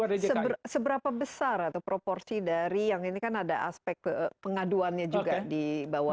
seberapa besar atau proporsi dari yang ini kan ada aspek pengaduannya juga di bawah